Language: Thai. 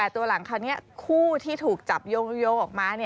ตัวหลังคราวนี้คู่ที่ถูกจับโยงออกมา